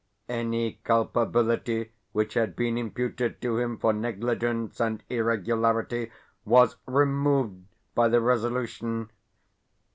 Any culpability which had been imputed to him for negligence and irregularity was removed by the resolution.